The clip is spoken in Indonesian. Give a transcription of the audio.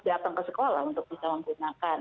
datang ke sekolah untuk bisa menggunakan